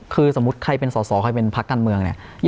คือสมมุติใครเป็นสอสอใครเป็นพักการเมืองเนี่ย